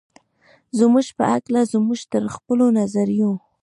زموږ په هکله زموږ تر خپلو نظریو.